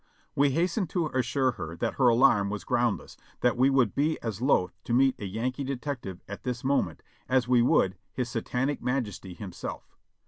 We hastened to assure her that her alarm was groundless, that we would be as loath to meet a Yankee detective at this moment as we would his Satanic Majesty himself.